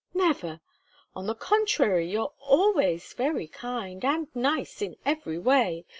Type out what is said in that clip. Never. On the contrary, you're always very kind, and nice in every way.